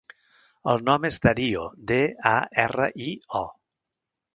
El nom és Dario: de, a, erra, i, o.